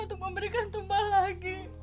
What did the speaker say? untuk memberikan tumbal lagi